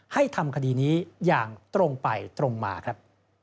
ให้ทำคดีนี้อย่างตรงไปตรงมาครับ